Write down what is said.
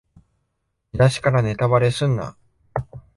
見だしからネタバレすんな